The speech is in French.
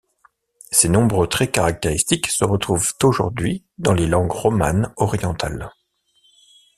Ces nombreux traits caractéristiques se retrouvent aujourd'hui dans les langues romanes orientales.